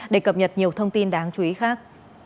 để cập nhật nhiều thông tin đáng chú ý khác